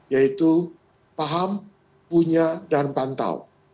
yaitu paham punya dan pantau